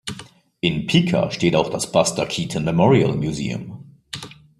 In Piqua steht auch das Buster Keaton Memorial Museum.